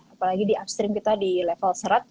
apalagi di upstream kita di level serat